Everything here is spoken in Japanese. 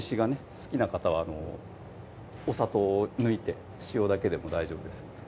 好きな方はお砂糖を抜いて塩だけでも大丈夫です